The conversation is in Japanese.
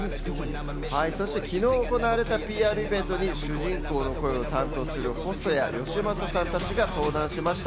昨日行われたＰＲイベントに主人公の声を担当する細谷佳正さんたちが登壇しました。